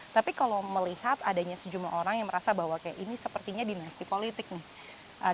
tapi kalau melihat adanya sejumlah orang yang merasa bahwa ini sepertinya dinasti politik nih